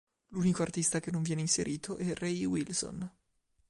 L'unico artista che non viene inserito è Ray Wilson.